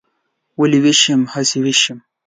ولې ویښ یم؟ هسې ویښ یم.